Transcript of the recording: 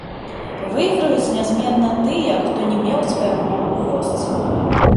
Выйграюць нязменна тыя, хто не меў сваякоў у вёсцы.